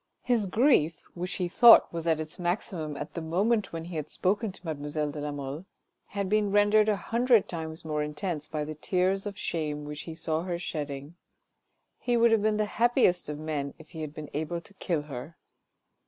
His grief — which he thought was at its maximum at the moment when he had spoken mademoiselle de la Mole — had been rendered a hundred times more intense by the tears of shame which he saw her shedding. He would have been the happiest of men if he had been able to kill her.